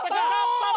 ただ。